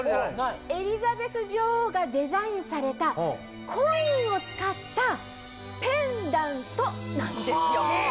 エリザベス女王がデザインされたコインを使ったペンダントなんですよ。